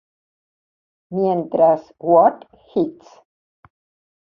Mientras "What Hits!?